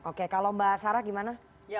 oke kalau mbak sarah gimana